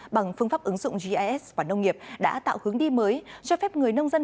bằng phương pháp ứng dụng gis và nông nghiệp đã tạo hướng đi mới cho phép người nông dân